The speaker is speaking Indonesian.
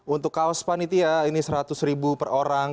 untuk kaos panitia ini seratus ribu per orang